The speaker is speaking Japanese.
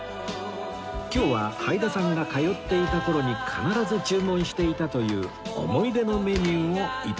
今日ははいださんが通っていた頃に必ず注文していたという思い出のメニューを頂きます